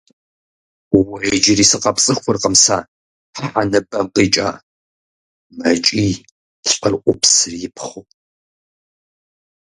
— Уэ иджыри сыкъэпцӏыхуркъым сэ, хьэ ныбэм къикӀа! — мэкӏий лӏыр ӏупсыр ипхъыу.